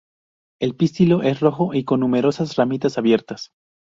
El pistilo es rojo y con numerosas ramitas abiertas.